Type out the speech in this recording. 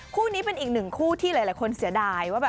คู่นี้เป็นอีกหนึ่งคู่ที่หลายคนเสียดายว่า